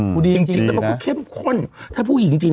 คุณดีจริงนะครับคุณเข้มข้นถ้าผู้หญิงจริง